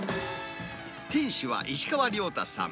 店主は石川亮太さん。